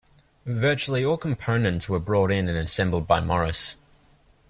Virtually all components were bought-in and assembled by Morris.